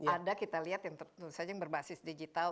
ada kita lihat yang tentu saja yang berbasis digital